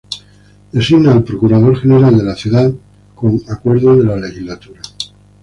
Designa al Procurador General de la Ciudad con acuerdo de la Legislatura.